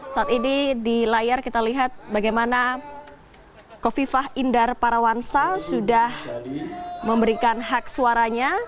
saat ini di layar kita lihat bagaimana kofifah indar parawansa sudah memberikan hak suaranya